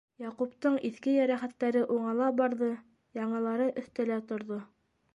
Яҡуптың иҫке йәрәхәттәре уңала барҙы, яңылары өҫтәлә торҙо.